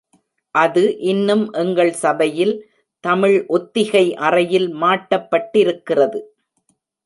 அது இன்னும் எங்கள் சபையில் தமிழ் ஒத்திகை அறையில் மாட்டப்பட்டிருக்கிறது.